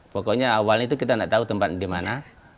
pokoknya awalnya itu kita tidak tahu tempat di mana